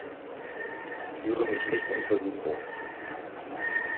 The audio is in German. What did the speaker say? Führe mich nicht in Versuchung!